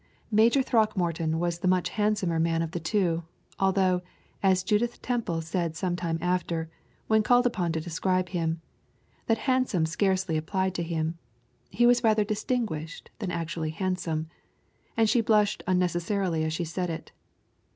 Major Throckmorton was much the handsomer man of the two, although, as Judith Temple said some time after, when called upon to describe him, that handsome scarcely applied to him he was rather distinguished than actually handsome and she blushed unnecessarily as she said it.